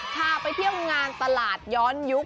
พาไปเที่ยวงานตลาดย้อนยุค